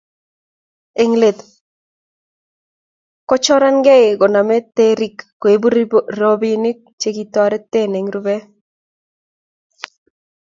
eng let kochorankei kosomei toretiik koibu robinik chekitoreten eng rubee